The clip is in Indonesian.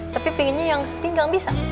tapi pengennya yang sepinggang bisa